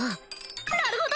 なるほど！